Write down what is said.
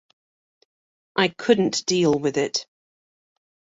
I couldn't deal with it.